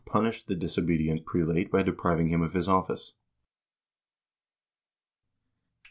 punished the disobedient prelate by depriving him of his office.